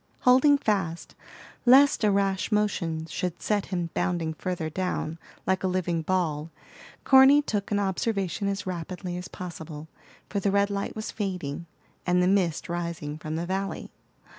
Holding fast, lest a rash motion should set him bounding further down, like a living ball, Corny took an observation as rapidly as possible, for the red light was fading, and the mist rising from the valley.